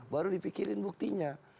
baru dipikirin buktinya